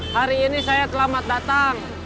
hari ini saya selamat datang